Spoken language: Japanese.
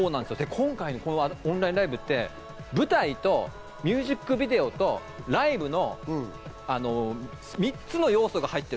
今回のオンラインライブって、舞台とミュージックビデオとライブの３つの要素が入ってる。